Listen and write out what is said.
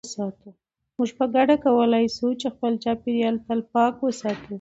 موږ په ګډه کولای شو چې خپل چاپیریال تل پاک وساتو.